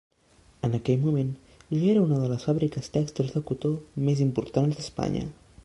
En aquell moment ja era una de les fàbriques tèxtils de cotó més importants d'Espanya.